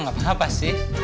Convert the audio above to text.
gak apa apa sih